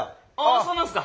あそうなんすか。